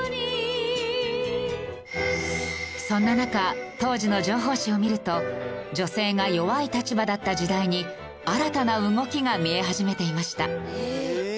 そんな中当時の情報誌を見ると女性が弱い立場だった時代に新たな動きが見え始めていました。